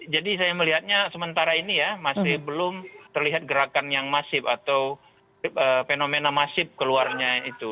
jadi saya melihatnya sementara ini ya masih belum terlihat gerakan yang masif atau fenomena masif keluarnya itu